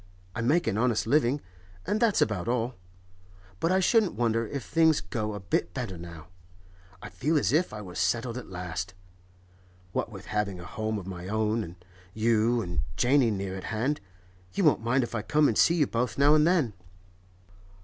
I make an honest living, and that's about all. But I shouldn't wonder if things go a bit better now; I feel as if I was settled at last. What with having a home of my own, and you and Janey near at hand—You won't mind if I come and see you both now and then?